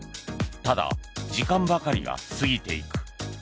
ただ時間ばかりが過ぎていく。